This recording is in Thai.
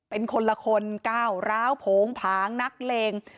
เป็นคนละคนก้าวร้าวโผงผางนักเลง